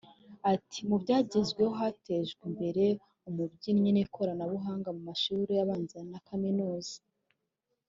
Ati “Mu byagezweho hatejwe imbere ubumenyi n’Ikoranabuhanga mu mashuri abanza na Kaminuza